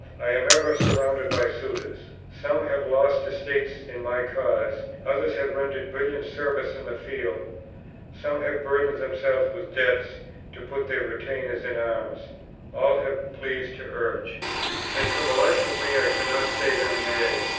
I am ever surrounded by suitors. Some have lost estates in my cause, others have rendered brilliant services in the field, some have burdened themselves with debts to put their retainers in arms all have pleased to urge, and for the life of me I cannot say them nay.